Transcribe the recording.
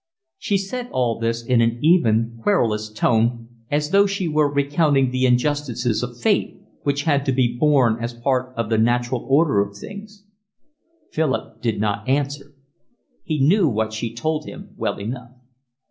She said all this in an even, querulous tone, as though she were recounting the injustices of fate, which had to be borne as part of the natural order of things. Philip did not answer. He knew what she told him well enough.